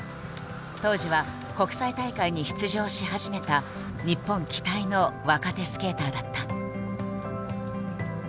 当時は国際大会に出場し始めた日本期待の若手スケーターだった。